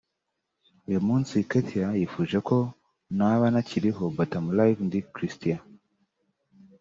uyu munsi Kethia yifuje ko naba ntakiriho but I'm alive ndi Christian